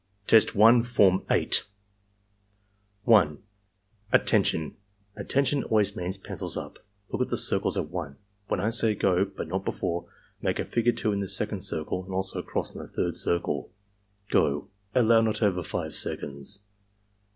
Test 1, Form 8 1. "Attention! "Attention' always means 'Pencils up.' Look at the circles at 1. When I say 'go' but not before, make a figure 2 in the second circle and also a cross in the third circle. — Go!" (Allow not over 5 seconds.)